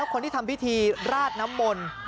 ครับ